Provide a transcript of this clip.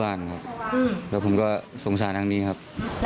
ออกเองเนื่องจากอะไรครับ